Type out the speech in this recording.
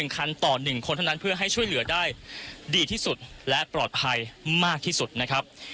คันต่อ๑คนเท่านั้นเพื่อให้ช่วยเหลือได้ดีที่สุดและปลอดภัยมากที่สุดนะครับ